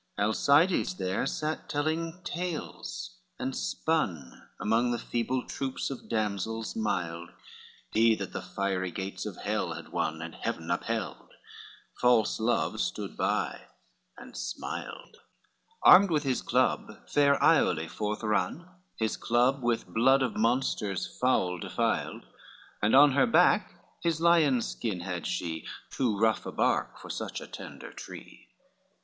III Alcides there sat telling tales, and spun Among the feeble troops of damsels mild, He that the fiery gates of hell had won And heaven upheld; false Love stood by and smiled: Armed with his club fair Iole forth run, His club with blood of monsters foul defiled, And on her back his lion's skin had she, Too rough a bark for such a tender tree.